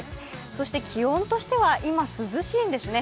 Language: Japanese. そして気温としては今涼しいんですね。